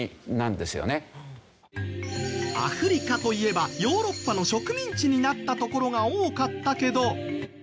アフリカといえばヨーロッパの植民地になった所が多かったけど。